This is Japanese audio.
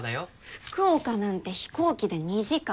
福岡なんて飛行機で２時間。